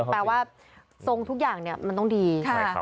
แปลว่าทรงทุกอย่างมันต้องดี